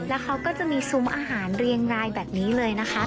แล้วเขาก็จะมีซุ้มอาหารเรียงรายแบบนี้เลยนะคะ